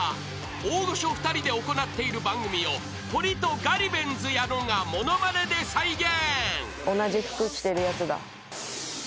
［大御所２人で行っている番組をホリとガリベンズ矢野が物まねで再現］